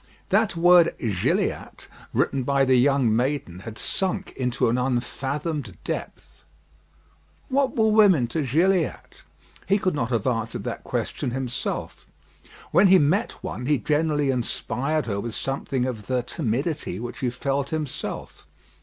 That word "Gilliatt," written by the young maiden, had sunk into an unfathomed depth. What were women to Gilliatt? He could not have answered that question himself. When he met one he generally inspired her with something of the timidity which he felt himself.